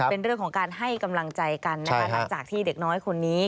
เป็นเรื่องของการให้กำลังใจกันนะคะหลังจากที่เด็กน้อยคนนี้